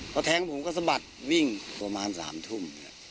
เขาแทงผมก็สะบัดวิ่งประมาณ๓ทุ่ม